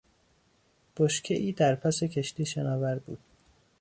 بشکهای در پس کشتی شناور بود.